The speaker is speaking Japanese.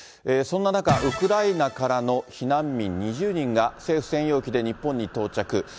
そんな中、ウクライナからの避難民２０人が政府専用機で日本に到着。